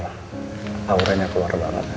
aurenya keluar banget